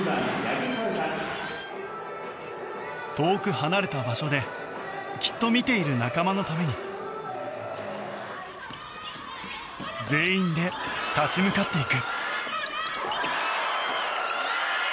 遠く離れた場所できっと見ている仲間のために全員で立ち向かっていく。